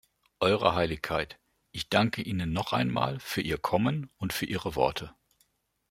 Eure Heiligkeit, ich danke Ihnen noch einmal für Ihr Kommen und für Ihre Worte.